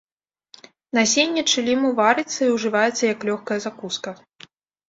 Насенне чыліму варыцца і ўжываецца як лёгкая закуска.